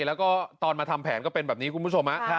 แล้วก็ตอนมาทำแผนก็เป็นแบบนี้คุณผู้ชม